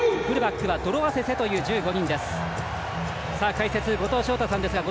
解説は後藤翔太さんです。